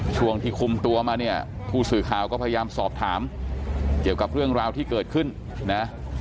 ช่วงที่คุมตัวมาเนี่ยผู้สื่อข่าวก็พยายามสอบถามเกี่ยวกับเรื่องราวที่เกิดขึ้นนะ